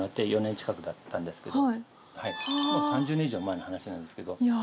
もう３０年以上前の話なんですけど。